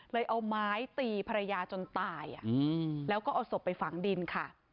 เอาไม้ตีภรรยาจนตายแล้วก็เอาศพไปฝังดินค่ะ